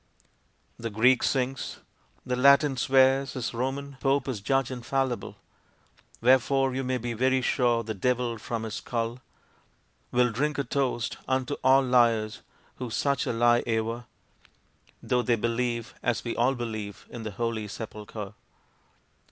The Greek sings The Latin swears his Roman Pope is judge infallible. Wherefore you may be very sure the Devil from his skull Will drink a toast unto all liars, who such a lie aver Tho they believe, as we all believe, in the Holy Sepulchre!